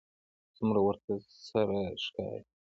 څومره ورته سره ښکاري